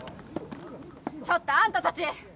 ちょっとあんたたち！